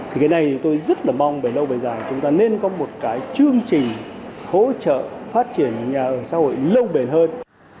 thì cái này tôi rất là mong về lâu bầy giờ chúng ta nên có một cái chương trình hỗ trợ phát triển nhà ở xã hội lâu bền hơn